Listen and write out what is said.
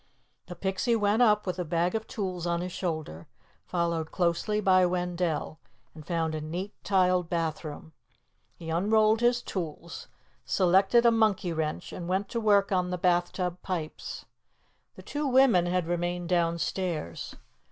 The Pixie went up with the bag of tools on his shoulder, followed closely by Wendell, and found a neat tiled bathroom. He unrolled his tools, selected a monkey wrench and went to work on the bath tub pipes. The two women had remained downstairs.